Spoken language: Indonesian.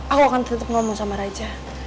aku akan tetap ngomong sama raja